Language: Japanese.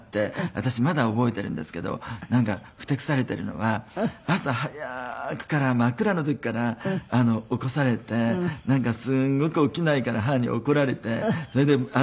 私まだ覚えているんですけどふてくされているのは朝早くから真っ暗な時から起こされてなんかすごく起きないから母に怒られてそれで。